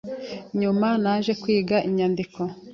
Nyuma naje kwiga inyandiko